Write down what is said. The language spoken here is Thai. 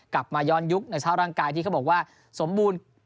กลับมาย้อนยุคในสภาพร่างกายที่เขาบอกว่าสมบูรณ์